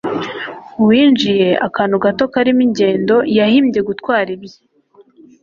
uwinjiye, akantu gato-karimo ingendo, yahimbye gutwara ibye